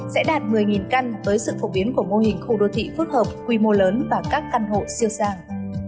sẽ đạt một mươi căn với sự phổ biến của mô hình khu đô thị phức hợp quy mô lớn và các căn hộ siêu sàng